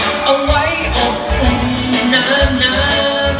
เอาไว้อบอุ่นหน้าน้ำ